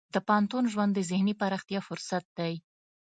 د پوهنتون ژوند د ذهني پراختیا فرصت دی.